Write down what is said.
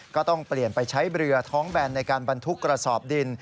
ก็ต้องเปลี่ยนไปใช้เรือท้องแบนในการบรรทุกกระสอบดิน